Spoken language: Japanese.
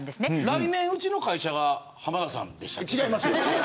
来年うちの会社は浜田さんでしたっけ。